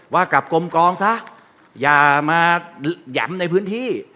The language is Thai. ว่ากลับกลมกองซะอย่ามาหย่ำในพื้นที่